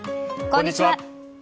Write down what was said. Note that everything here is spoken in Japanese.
こんにちは。